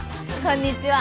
こんにちは。